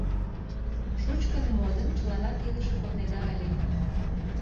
— Шучкын модын, чыланат илыше коднеда ыле.